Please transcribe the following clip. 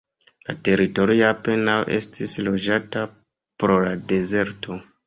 La teritorio apenaŭ estis loĝata pro la dezerto.